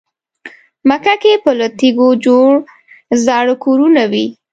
مکه کې به له تیږو جوړ زاړه کورونه وي.